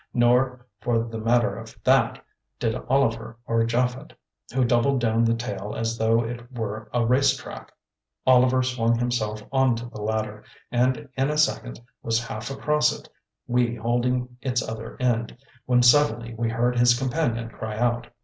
Nor, for the matter of that, did Oliver or Japhet, who doubled down the tail as though it were a race track. Oliver swung himself on to the ladder, and in a second was half across it, we holding its other end, when suddenly he heard his companion cry out.